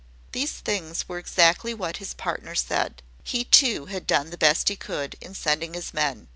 These things were exactly what his partner said. He, too, had done the best he could, in sending his men.